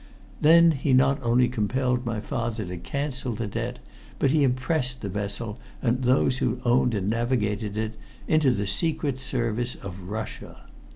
Then he not only compelled my father to cancel the debt, but he impressed the vessel and those who owned and navigated it into the secret service of Russia.